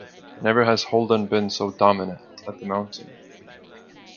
Never has Holden been so dominant at the mountain.